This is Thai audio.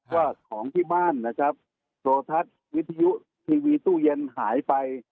ว่าของที่บ้านนะครับโทรทัศน์วิทยุทีวีตู้เย็นหายไป